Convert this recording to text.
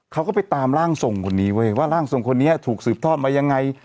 เขาก็ไปตามร่างทรงคนนี้เว้ยว่าร่างทรงคนนี้ถูกสืบทอดมายังไง